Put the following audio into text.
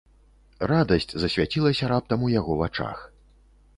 Радасць засвяцілася раптам у яго вачах.